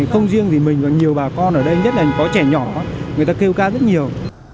không riêng gì mình và nhiều bà con ở đây nhất là có trẻ nhỏ người ta kêu ca rất nhiều